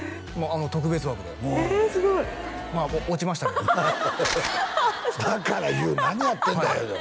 特別枠でえすごいまあ落ちましたけどだから「ＹＯＵ何やってんだよ」